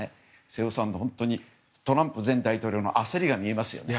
瀬尾さん、トランプ前大統領の焦りが見えますよね。